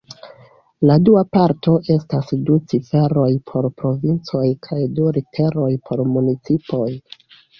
La dua parto estas du ciferoj por provincoj kaj du literoj por municipoj.